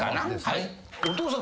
はい。